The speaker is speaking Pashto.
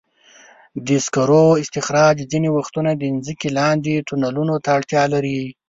د سکرو استخراج ځینې وختونه د ځمکې لاندې تونلونو ته اړتیا لري.